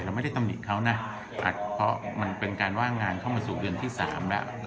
ไม่ได้ตำหนิเขานะเพราะมันเป็นการว่างงานเข้ามาสู่เดือนที่๓แล้ว